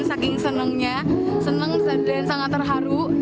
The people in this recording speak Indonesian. saking senangnya senang dan sangat terharu